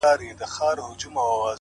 د زړه قوت خنډونه کوچني کوي’